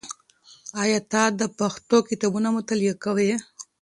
آیا ته د پښتو کتابونو مطالعه کوې؟